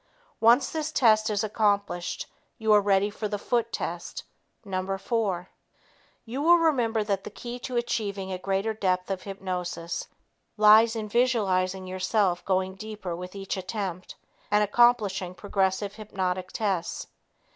Once this test is accomplished, you are ready for the "foot" test No. 4. You will remember that the key to achieving a greater depth of hypnosis lies in visualizing yourself going deeper with each attempt and accomplishing progressive hypnotic tests.